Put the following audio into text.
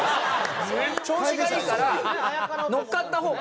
調子がいいから乗っかった方が。